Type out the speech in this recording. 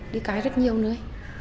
đi cái rất nhiều nữa